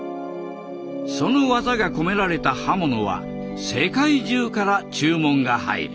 その技が込められた刃物は世界中から注文が入る。